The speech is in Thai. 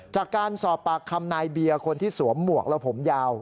จากการสอบปากคำนายเบียร์คนที่สวมหมวกและผมยาว